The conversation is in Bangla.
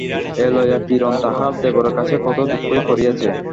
এ লইয়া কিরণ তাহার দেবরের কাছে কত দুঃখই করিয়াছে।